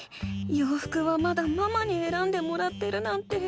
ようふくはまだママにえらんでもらってるなんて。